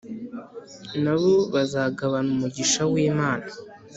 na bo bazagabana umugisha w'imana